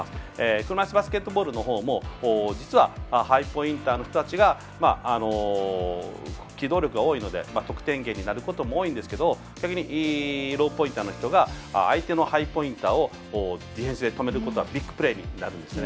車いすバスケットボールのほうも実は、ハイポインターの人たちが機動力が多いので得点源になることも多いんですけど逆に、ローポインターの人が相手のハイポインターをディフェンスで止めることがビッグプレーになるんですね。